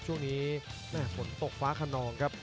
ช่วงนี้ในแหม้หนระตกฟ้าคณองครับ